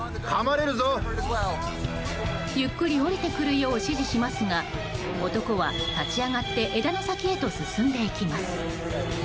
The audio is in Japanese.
ゆっくり降りてくるよう指示しますが男は立ち上がって枝の先へと進んでいきます。